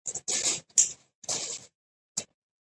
جمله په خبرو او لیک کښي کاریږي.